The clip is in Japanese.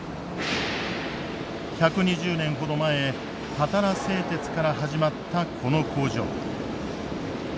１２０年ほど前たたら製鉄から始まったこの工場。